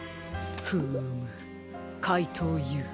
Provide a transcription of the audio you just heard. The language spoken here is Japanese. フームかいとうＵ。